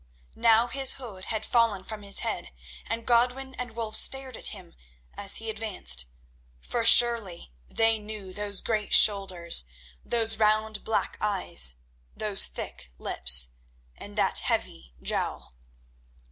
Now his hood had fallen from his head, and Godwin and Wulf stared at him as he advanced, for surely they knew those great shoulders, those round black eyes, those thick lips, and that heavy jowl.